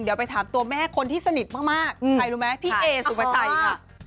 เดี๋ยวไปถามตัวแม่คนที่สนิทมากใครรู้ไหมพี่เอสุภาชัยค่ะ